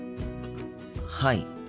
はい。